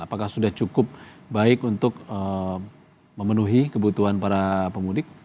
apakah sudah cukup baik untuk memenuhi kebutuhan para pemudik